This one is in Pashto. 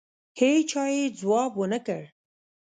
هېچا یې ځواب ونه کړ.